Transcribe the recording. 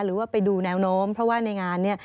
หรือว่าไปดูแนวโน้มเพราะว่าในงานเนี่ย